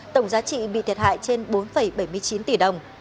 tổng giá trị bị thiệt hại trên bốn bảy mươi chín tỷ đồng